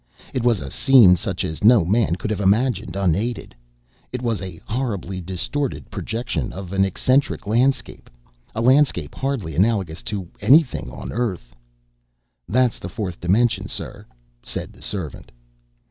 It was a scene such as no man could have imagined unaided. It was a horribly distorted projection of an eccentric landscape, a landscape hardly analogous to anything on Earth. "That's the fourth dimension, sir," said the servant.